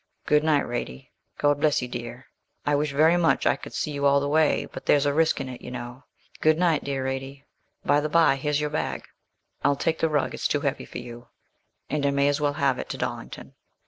Good night, Radie; God bless you, dear. I wish very much I could see you all the way, but there's a risk in it, you know. Good night, dear Radie. By the bye, here's your bag; I'll take the rug, it's too heavy for you, and I may as well have it to Dollington.'